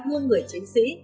nguồn người chiến sĩ